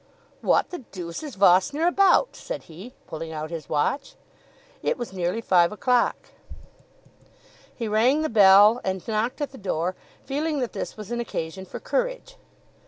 "What the deuce is Vossner about?" said he, pulling out his watch. It was nearly five o'clock. He rang the bell, and knocked at the door, feeling that this was an occasion for courage.